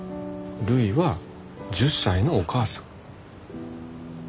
るいは１０歳のお母さん。